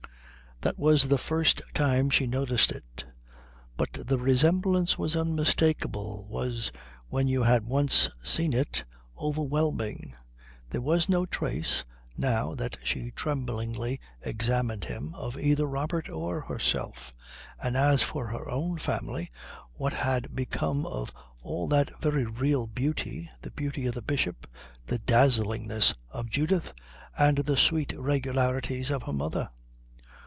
That was the first time she noticed it, but the resemblance was unmistakable, was, when you had once seen it, overwhelming. There was no trace, now that she tremblingly examined him, of either Robert or herself; and as for her own family, what had become of all that very real beauty, the beauty of the Bishop, the dazzlingness of Judith, and the sweet regularities of her mother?